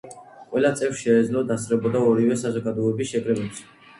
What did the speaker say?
ყველა წევრს შეეძლო დასწრებოდა ორივე საზოგადოების შეკრებებს.